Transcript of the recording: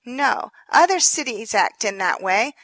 No other city acts in that way.